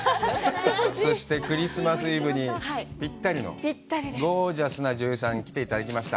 そして、クリスマスイブにぴったりのゴージャスな女優さんに来ていただきました。